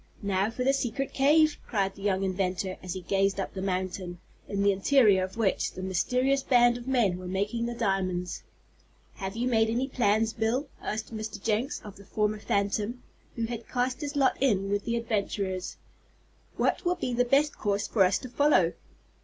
"Now for the secret cave!" cried the young inventor as he gazed up the mountain, in the interior of which the mysterious band of men were making the diamonds. "Have you made any plans, Bill?" asked Mr. Jenks of the former phantom, who had cast his lot in with the adventurers. "What will be the best course for us to follow?"